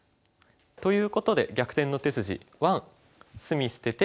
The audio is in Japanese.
ということで「逆転の手筋１」。